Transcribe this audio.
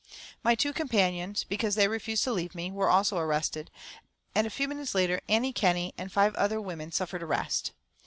My two companions, because they refused to leave me, were also arrested, and a few minutes later Annie Kenney and five other women suffered arrest.